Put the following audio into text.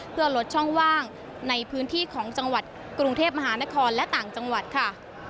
เพื่อลดช่องว่างในพื้นที่ของจังหวัดกรุงเทพมหานครและต่างจังหวัดค่ะ